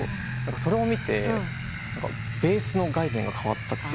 それを見てベースの概念が変わったというか。